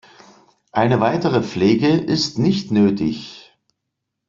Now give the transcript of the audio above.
Eine weitere Pflege ist nicht nötig.